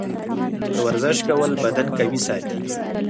د ورزش کول بدن قوي ساتي.